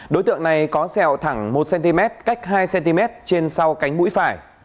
đối tượng này có sẹo thẳng một cm cách hai cm trên sau cánh mũi phải